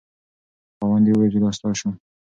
خاوند یې وویل چې دا ستا شو.